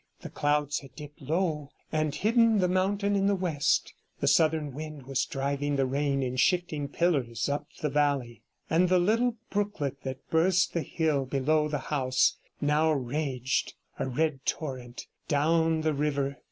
The clouds had dipped low and hidden the mountain in the west; a southern wind was driving the rain in shifting pillars up the valley, and the little brooklet that burst the hill below the house now raged, a red torrent, down the river.